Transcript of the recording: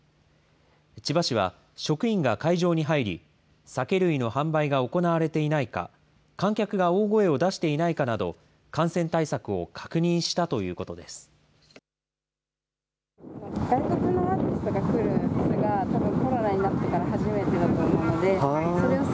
千葉市は職員が会場に入り、酒類の販売が行われていないか、観客が大声を出していないかなど、感染対策を確認したということです。